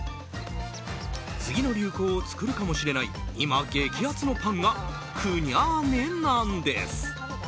次の流行を作るかもしれない今、激アツのパンがクニャーネなんです。